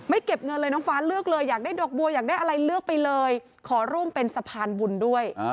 เก็บเงินเลยน้องฟ้าเลือกเลยอยากได้ดอกบัวอยากได้อะไรเลือกไปเลยขอร่วมเป็นสะพานบุญด้วย